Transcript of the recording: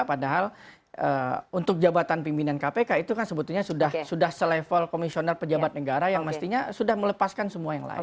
padahal untuk jabatan pimpinan kpk itu kan sebetulnya sudah selevel komisioner pejabat negara yang mestinya sudah melepaskan semua yang lain